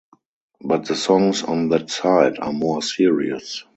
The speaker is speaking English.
But the songs on that side are more serious.